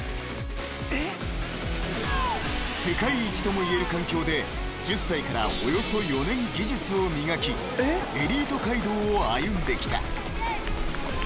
［世界一ともいえる環境で１０歳からおよそ４年技術を磨きエリート街道を歩んできた］